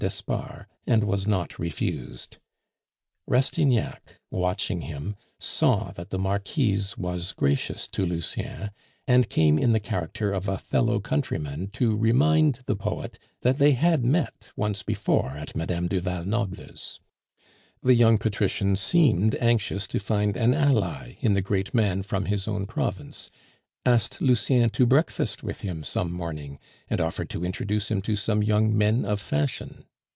d'Espard, and was not refused. Rastignac, watching him, saw that the Marquise was gracious to Lucien, and came in the character of a fellow countryman to remind the poet that they had met once before at Mme. du Val Noble's. The young patrician seemed anxious to find an ally in the great man from his own province, asked Lucien to breakfast with him some morning, and offered to introduce him to some young men of fashion.